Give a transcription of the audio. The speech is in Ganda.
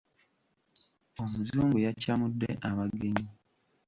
Omuzungu yakyamudde abagenyi.